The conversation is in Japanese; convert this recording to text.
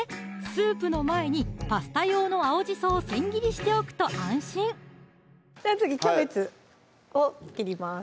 スープの前にパスタ用の青じそを千切りしておくと安心次キャベツを切ります